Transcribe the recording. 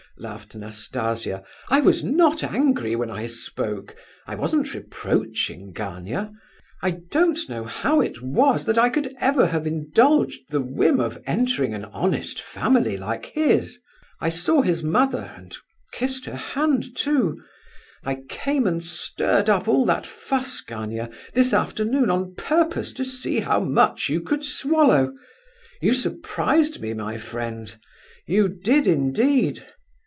laughed Nastasia. "I was not angry when I spoke; I wasn't reproaching Gania. I don't know how it was that I ever could have indulged the whim of entering an honest family like his. I saw his mother—and kissed her hand, too. I came and stirred up all that fuss, Gania, this afternoon, on purpose to see how much you could swallow—you surprised me, my friend—you did, indeed.